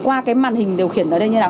qua cái màn hình điều khiển ở đây như thế nào